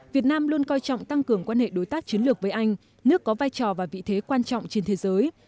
việt nam luôn coi trọng tăng cường quan hệ đối tác chiến lược với anh nước có vai trò và vị thế quan trọng trên thế giới